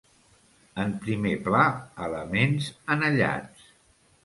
En primer pla, elements anellats.